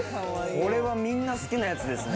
これはみんな好きなやつですね。